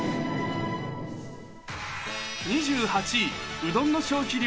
２８位、うどんの消費量